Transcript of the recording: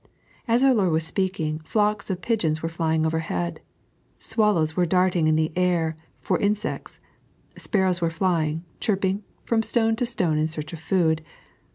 As our Lord was speaking, flocks of pigeons were flying overhead ; swallows were darting in the air for in sects ; sparrows were flying, chirping, from stone to stone in search of food.